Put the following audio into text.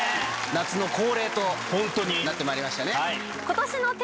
夏の恒例となってまいりましたね。